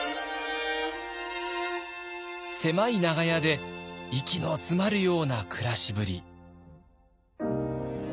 狭い長屋で息の詰まるような暮らしぶり。